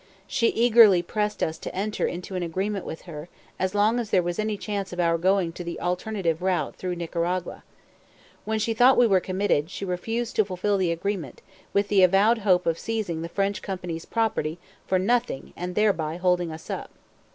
She eagerly pressed us to enter into an agreement with her, as long as there was any chance of our going to the alternative route through Nicaragua. When she thought we were committed, she refused to fulfil the agreement, with the avowed hope of seizing the French company's property for nothing and thereby holding us up.